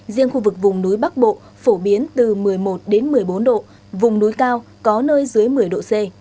riêng khu vực vùng núi bắc bộ phổ biến từ một mươi một đến một mươi bốn độ vùng núi cao có nơi dưới một mươi độ c